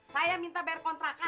saya minta bayar kontrakan